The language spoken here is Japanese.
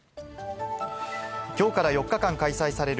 きょうから４日間開催される